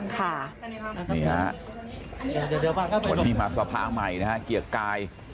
ค่ะนี่ฮะวันนี้มาสภาใหม่นะฮะเกียรติกาย